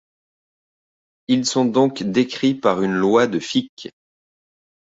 Ils sont donc décrits par une loi de Fick.